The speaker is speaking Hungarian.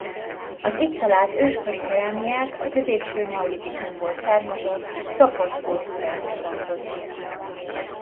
Az itt talált őskori kerámiák a középső neolitikumból származó Sopot-kultúrához tartoznak.